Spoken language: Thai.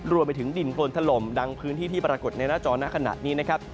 รวมไปถึงดินโครนถล่มดังพื้นที่ที่ปรากฏในหน้าจอหน้าขณะนี้นะครับ